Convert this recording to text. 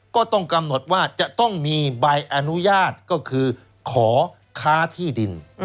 ก็ต้องกำหนดว่าจะต้องมีใบอนุญาตก็คือขอค้าที่ดิน